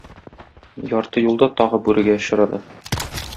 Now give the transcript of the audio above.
Ярты юлда тагы бүрегә очрады.